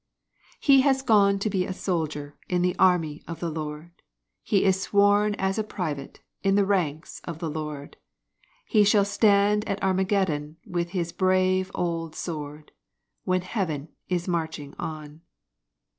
He has gone to be a soldier in the Army of the Lord; He is sworn as a private in the ranks of the Lord, He shall stand at Armageddon with his brave old sword, When Heaven is marching on.